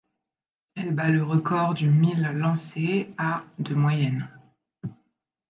Elle bat le record du mille lancé, à de moyenne.